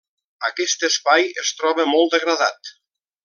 Aquest espai es troba molt degradat.